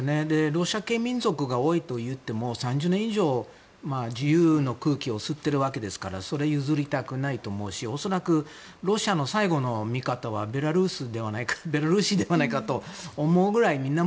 ロシア系民族が多いといっても３０年以上自由の空気を吸ってるわけですからそれを譲りたくないと思うし恐らくロシアの最後の味方はベラルーシではないかと思うぐらい、みんな